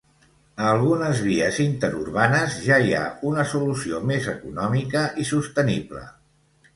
A algunes vies interurbanes ja hi ha una solució més econòmica i sostenible.